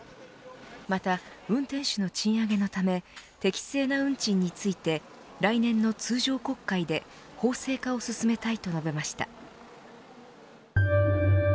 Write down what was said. また運転手の賃上げのため適正な運賃について来年の通常国会で法制化を進めたいと述べました。